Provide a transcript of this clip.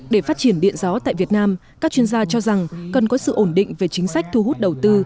để phát triển điện gió tại việt nam các chuyên gia cho rằng cần có sự ổn định về chính sách thu hút đầu tư